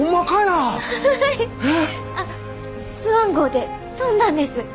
あっスワン号で飛んだんです。